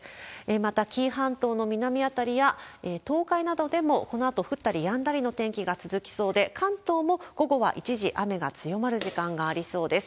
また、紀伊半島の南辺りや、東海などでも、このあと降ったりやんだりの天気が続きそうで、関東も午後は一時雨が強まる時間がありそうです。